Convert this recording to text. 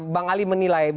bang ali menilai